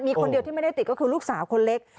มีคนเดียวที่ไม่ได้ติดก็คือลูกสาวคนเล็ก